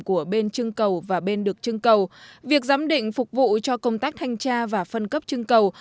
của bên chưng cầu và bên được trưng cầu việc giám định phục vụ cho công tác thanh tra và phân cấp chưng cầu